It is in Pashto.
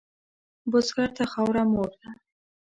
بزګر ته خاوره مور ده